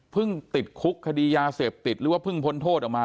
ติดคุกคดียาเสพติดหรือว่าเพิ่งพ้นโทษออกมา